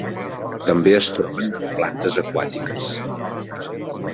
També es troben en plantes aquàtiques.